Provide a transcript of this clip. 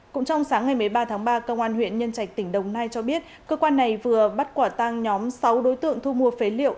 cũng trong sáng ngày một mươi ba tháng ba công an huyện nhân trạch tỉnh đồng nai cho biết cơ quan này vừa bắt quả tăng nhóm sáu đối tượng thu mua phế liệu